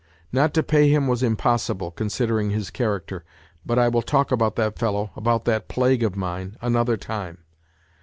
Not to pay him was impossible, considering his character. But I will talk about that fellow, about that plague of mine, another time.